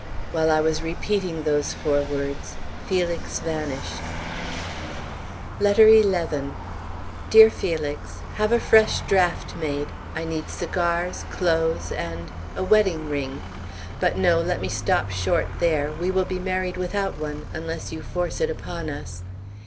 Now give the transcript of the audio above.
While I was repeating those four words, Felix vanished. LETTER XI. DEAR FELIX: Have a fresh draft made. I need cigars, clothes, and a wedding ring. But no, let me stop short there. We will be married without one, unless you force it upon us.